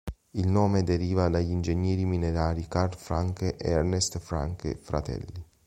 Il nome deriva dagli ingegneri minerari Carl Francke ed Ernest Francke, fratelli.